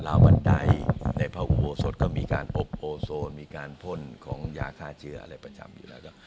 บันไดในพระอุโบสถก็มีการพบโอโซนมีการพ่นของยาฆ่าเชื้ออะไรประจำอยู่แล้ว